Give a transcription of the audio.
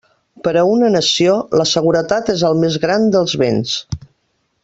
Per a una nació, la seguretat és el més gran dels béns.